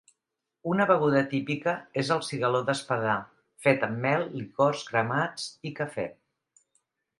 Una beguda típica és el cigaló d'Espadà, fet amb mel, licors cremats i café.